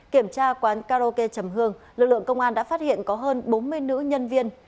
kiểm tra quán karaoke chầm hương lực lượng công an đã phát hiện có hơn bốn mươi nữ nhân viên